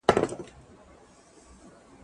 لکه څنګه چي الله تعالی په آخره کي فرمايلي دي.